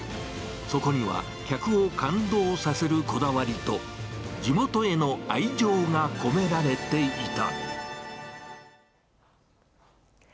そこには、客を感動させるこだわりと、地元への愛情が込められていた。